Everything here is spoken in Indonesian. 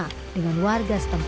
bersama dengan warga setempat